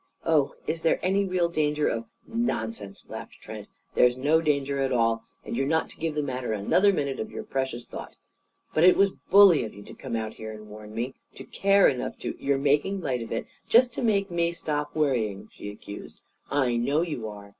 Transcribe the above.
Oh, is there any real danger of " "Nonsense!" laughed Trent. "There's no danger at all. And you're not to give the matter another minute of your precious thought. But it was bully of you to come out here to warn me to care enough to " "You're making light of it, just to make me stop worrying!" she accused. "I know you are!